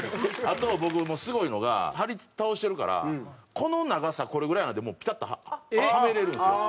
あと僕すごいのが貼り倒してるからこの長さこれぐらいやなってピタッとはめられるんですよ。